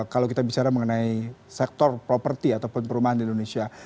kalau kita bicara mengenai sektor properti ataupun perumahan di indonesia